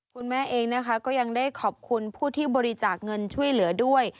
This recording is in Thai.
คุณแม่เองนะคะก็ยังได้ขอบคุณผู้ที่บริจาคเงินช่วยเหลือด้วย